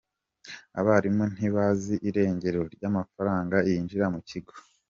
Abarimu ntibazi irengero ry’amafaranga yinjira mu kigo.